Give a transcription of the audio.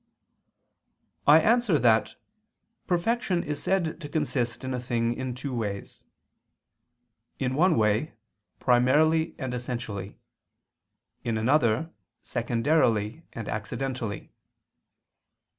I answer that, Perfection is said to consist in a thing in two ways: in one way, primarily and essentially; in another, secondarily and accidentally.